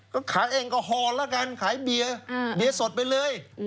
ก็ขายเองก็ฮอล์ละกันขายเบียร์สดไปเลย